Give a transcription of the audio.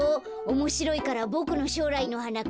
おもしろいからボクのしょうらいのはな